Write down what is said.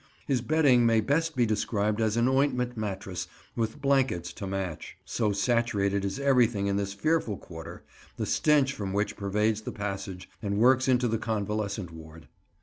His bedding may best be described as an ointment mattress, with "blankets to match," so saturated is everything in this fearful quarter, the stench from which pervades the passage, and works into the convalescent ward.